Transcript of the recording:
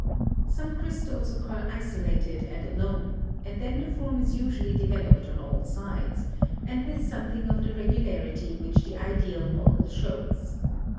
Some crystals occur isolated and alone, and then the form is usually developed on all sides, and with some thing of the regularity which the ideal model shows.